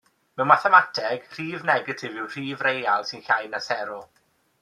Mewn mathemateg, rhif negatif yw rhif real sy'n llai na sero.